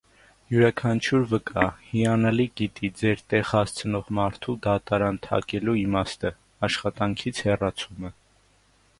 «Յուրաքանչյուր վկա...հիանալի գիտի ձեր տեղ հասցնող մարդու դատարան թակելու իմաստը...աշխատանքից հեռացումը»։